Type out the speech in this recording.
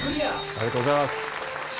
ありがとうございます。